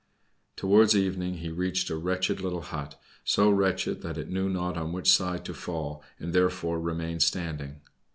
Towards evening he reached a wretched little hut, so wretched that it knew not on which side to fall, and therefore remained standing.